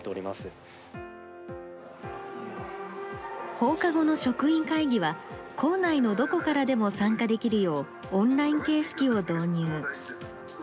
放課後の職員会議は、校内のどこからでも参加できるよう、オンライン形式を導入。